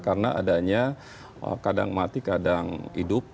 karena adanya kadang mati kadang hidup